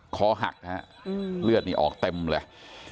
คอหักฮะเลือดนี่ออกเต็มเลย